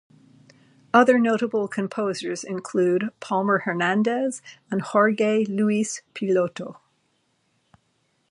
Other notable composers include Palmer Hernandez and Jorge Luis Piloto.